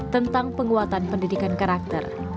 tentang penguatan pendidikan karakter